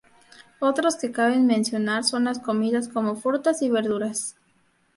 Otros que caben mencionar son las comidas como frutas y verduras.